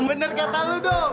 bener kata lu dong